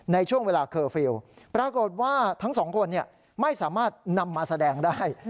ในช่วงเวลาเคอร์ฟิลล์ปรากฏว่าทั้งสองคนไม่สามารถนำมาแสดงได้